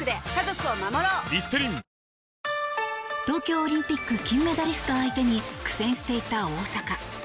東京オリンピック金メダリスト相手に苦戦していた大坂。